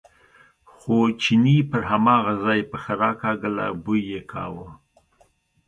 خو چیني پر هماغه ځای پښه راکاږله، بوی یې کاوه.